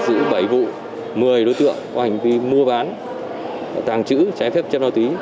đã bị bắt quả tàng trữ mua bán trái phép chất ma túy như vậy